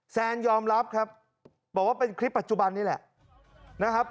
แซนยอมรับครับบอกว่าเป็นคลิปปัจจุบันนี้แหละนะครับ